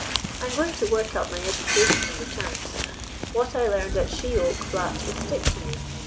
I'm going to work up my education on the chance. What I learned at She oak Flat'll stick to me.